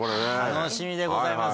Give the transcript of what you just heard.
楽しみでございます。